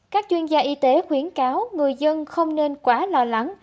các chuyên gia y tế khuyến cáo người dân không nên quá lo lắng